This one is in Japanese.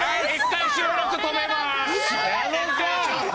１回収録止めます。